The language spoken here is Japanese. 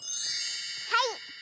はい。